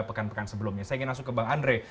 pekan pekan sebelumnya saya ingin langsung ke bang andre